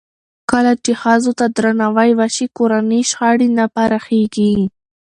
کله چې ښځو ته درناوی وشي، کورني شخړې نه پراخېږي.